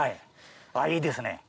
あいいですね。